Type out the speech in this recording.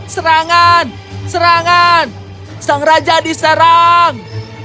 serangan serangan sang raja diserang